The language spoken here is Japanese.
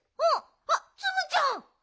あっツムちゃん。